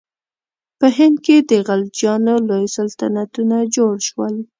په هند کې د خلجیانو لوی سلطنتونه جوړ شول.